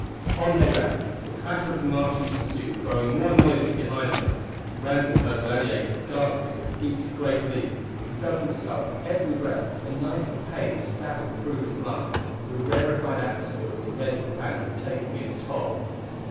On they ran, the clatter of the Martian pursuit growing more noisy behind them. Randall heard Lanier gasping with each great leap, and felt himself at every breath a knife of pain stabbing through his lungs, the rarified atmosphere of the red planet taking its toll.